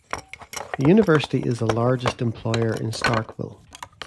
The university is the largest employer in Starkville.